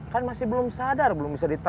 kan masih belum sadar belum bisa ditanya